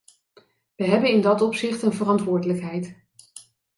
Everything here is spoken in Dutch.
We hebben in dat opzicht een verantwoordelijkheid.